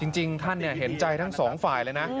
จริงท่านเห็นใจทั้งสองฝ่ายเลยนะ